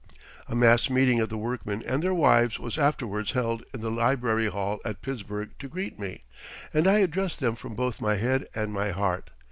A mass meeting of the workmen and their wives was afterwards held in the Library Hall at Pittsburgh to greet me, and I addressed them from both my head and my heart.